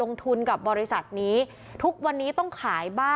คุณประสิทธิ์ทราบรึเปล่าคะว่า